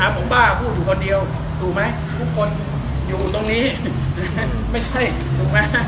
ผมบ้าพูดอยู่คนเดียวถูกไหมทุกคนอยู่ตรงนี้ไม่ใช่ถูกไหม